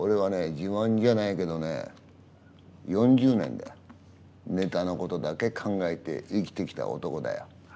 自慢じゃないけどね４０年だよネタのことだけ考えて生きてきた男だよ。